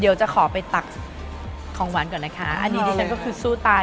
เดี๋ยวจะขอไปตักของหวานก่อนนะคะอันนี้ที่ฉันก็คือสู้ตาย